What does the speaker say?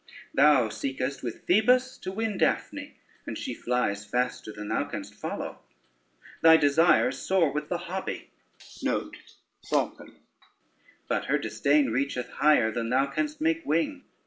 Thou seekest with Phoebus to win Daphne, and she flies faster than thou canst follow: thy desires soar with the hobby, but her disdain reacheth higher than thou canst make wing.